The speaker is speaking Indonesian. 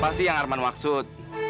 pasti yang arman maksud